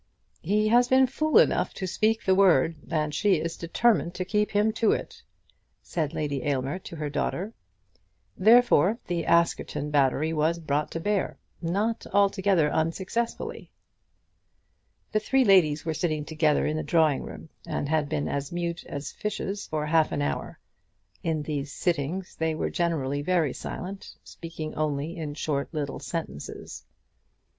"He has been fool enough to speak the word, and she is determined to keep him to it," said Lady Aylmer to her daughter. Therefore the Askerton battery was brought to bear, not altogether unsuccessfully. The three ladies were sitting together in the drawing room, and had been as mute as fishes for half an hour. In these sittings they were generally very silent, speaking only in short little sentences.